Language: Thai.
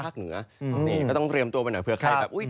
ก็ต้องเตรียมตัวไปหน่อยเพื่อใคร